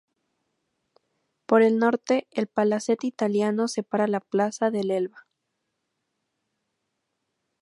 Por el norte, el Palacete Italiano separa la plaza del Elba.